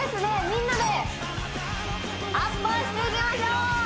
みんなでアッパーしていきましょう！